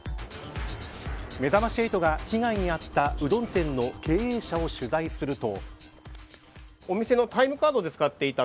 めざまし８が被害に遭ったうどん店の経営者を取材すると。